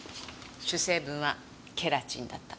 主成分はケラチンだった。